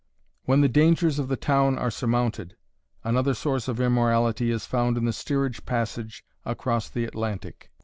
When the dangers of the town are surmounted, another source of immorality is found in the steerage passage across the Atlantic.